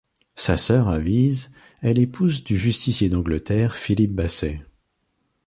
Sa sœur Hawise est l'épouse du justicier d'Angleterre, Philippe Basset.